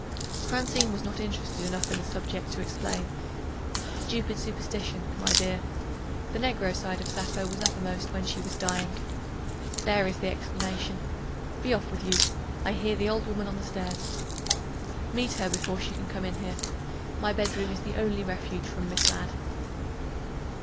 Francine was not interested enough in the subject to explain. "Stupid superstition, my dear. The negro side of Sappho was uppermost when she was dying there is the explanation. Be off with you! I hear the old woman on the stairs. Meet her before she can come in here. My bedroom is my only refuge from Miss Ladd."